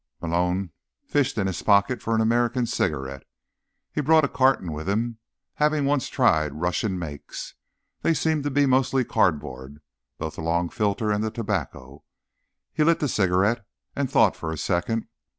Malone fished in his pocket for an American cigarette. He'd brought a carton with him, having once tried Russian makes. They seemed to be mostly cardboard, both the long filter and the tobacco. He lit the cigarette and thought for a second.